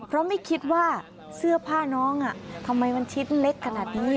เพราะไม่คิดว่าเสื้อผ้าน้องทำไมมันชิ้นเล็กขนาดนี้